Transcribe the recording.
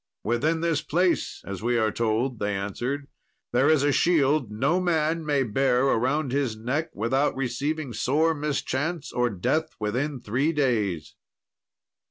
"Within this place, as we are told," they answered, "there is a shield no man may bear around his neck without receiving sore mischance, or death within three days."